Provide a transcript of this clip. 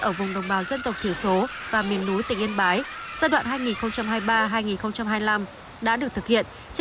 ở vùng đồng bào dân tộc thiểu số và miền núi tỉnh yên bái giai đoạn hai nghìn hai mươi ba hai nghìn hai mươi năm đã được thực hiện